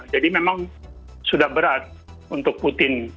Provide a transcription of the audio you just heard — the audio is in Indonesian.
jadi memang sudah berat untuk putin